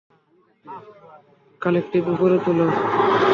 Collective উপরে তোলো।